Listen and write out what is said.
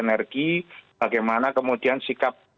energi bagaimana kemudian sikap